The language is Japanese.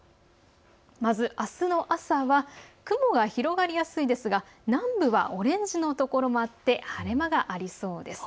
まずあすの朝は雲が広がりやすいですが南部はオレンジの所もあって晴れ間がありそうです。